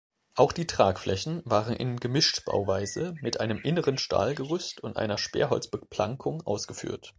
Auch die Tragflächen waren in Gemischtbauweise mit einem inneren Stahlgerüst und einer Sperrholzbeplankung ausgeführt.